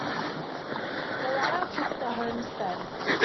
The latter took the homestead.